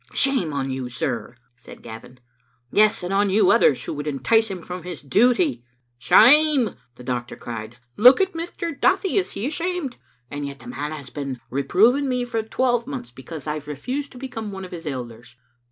"Shame on you, sir," said Gavin; "yes, and on yon others who would entice him from his duty." "Shame!'* the doctor cried. "Look at Mr. Duthie. Digitized by VjOOQ IC Vbe CntVbng Seadott 107 Is he ashamed? And yet that man has been reproving me for a twelvemonths because I've refused to become one of his elders.